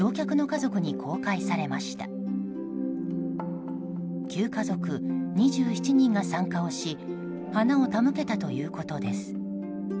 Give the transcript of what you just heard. ９家族２７人が参加をし花を手向けたということです。